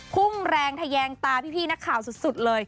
พุ่งแรงทะแยงตาพี่นักข่าวสุดเลย